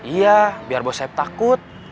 iya biar bos saya takut